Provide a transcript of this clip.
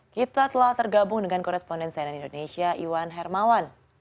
kita telah tergabung dengan koresponden cnn indonesia iwan hermawan